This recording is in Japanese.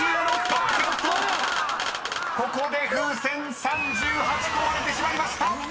［ここで風船３８個割れてしまいました！］